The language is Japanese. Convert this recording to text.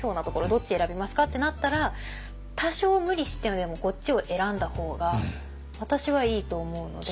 「どっち選びますか？」ってなったら多少無理してでもこっちを選んだ方が私はいいと思うので。